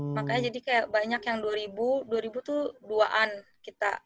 makanya jadi kayak banyak yang dua ribu dua ribu tuh duaan kita